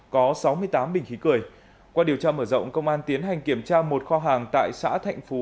có sáu mươi tám bình khí cười qua điều tra mở rộng công an tiến hành kiểm tra một kho hàng tại xã thạnh phú